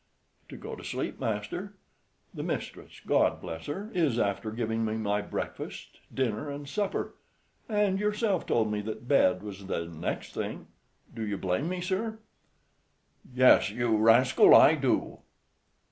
"To go to sleep, master. The mistress, God bless her, is after giving me my breakfast, dinner, and supper, and yourself told me that bed was the next thing. Do you blame me, sir?" "Yes, you rascal, I do."